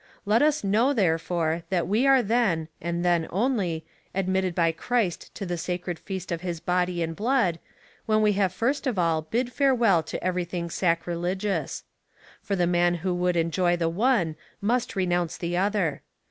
Let us know, therefore, that we are then, and then only, admitted by Christ to the sacred feast of his body and blood, when we have first of all bid farewell to every thing sacrilegious.^ For the man who would enjoy the one, must renounce the other.